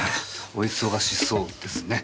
お忙しそうですね。